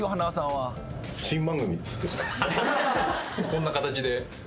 こんな形で？